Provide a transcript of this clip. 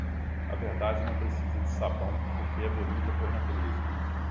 A verdade não precisa de sabão porque é bonita por natureza.